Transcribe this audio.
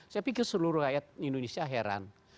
saya pikir seluruh rakyat indonesia heran